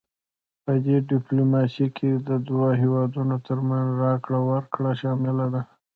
پدې ډیپلوماسي کې د دوه هیوادونو ترمنځ راکړه ورکړه شامله ده